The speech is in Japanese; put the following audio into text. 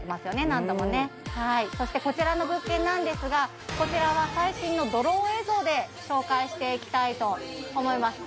何度もねはいそしてこちらの物件なんですがこちらは最新のドローン映像で紹介していきたいと思います